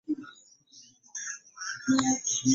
Omwana oyo muzukuse ajje alye emmere nga tenawolongoka.